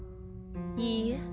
いいえ。